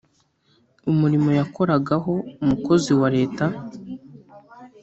umurimo yakoragaho Umukozi wa Leta